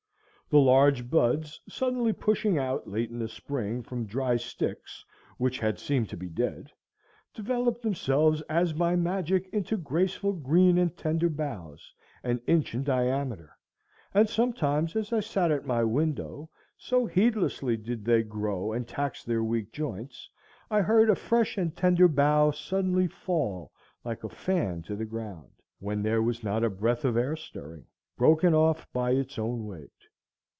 The large buds, suddenly pushing out late in the spring from dry sticks which had seemed to be dead, developed themselves as by magic into graceful green and tender boughs, an inch in diameter; and sometimes, as I sat at my window, so heedlessly did they grow and tax their weak joints, I heard a fresh and tender bough suddenly fall like a fan to the ground, when there was not a breath of air stirring, broken off by its own weight.